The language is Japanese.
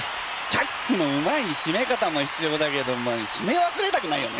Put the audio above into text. チャックのうまいしめ方も必要だけどしめわすれたくないよね。